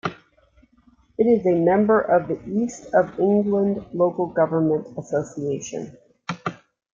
It is a member of the East of England Local Government Association.